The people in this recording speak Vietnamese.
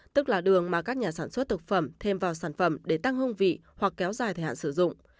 tức là đường mà các nhà sản xuất thực phẩm thêm vào sản phẩm để tăng hương vị hoặc kéo dài thời hạn sử dụng